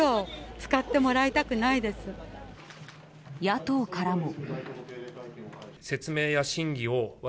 野党からも。